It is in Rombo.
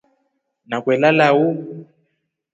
Nakuue lala uu.